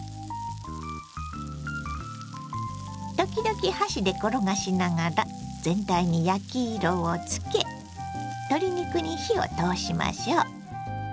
時々箸で転がしながら全体に焼き色をつけ鶏肉に火を通しましょう。